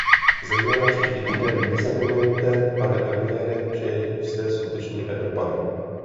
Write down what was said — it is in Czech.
Zejména příští týden nezapomeňte, pane premiére, že jste skutečným Evropanem.